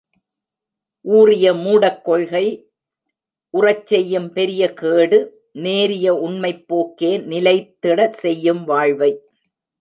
ஊறிய மூடக் கொள்கை உறச்செயும் பெரிய கேடு, நேரிய உண்மைப் போக்கே நிலைத்திடச் செய்யும் வாழ்வை.